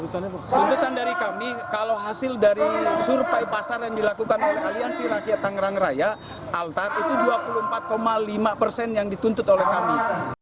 tuntutan dari kami kalau hasil dari survei pasar yang dilakukan oleh aliansi rakyat tangerang raya altar itu dua puluh empat lima persen yang dituntut oleh kami